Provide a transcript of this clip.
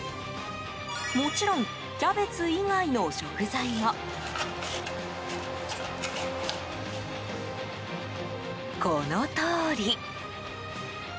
もちろん、キャベツ以外の食材もこのとおり。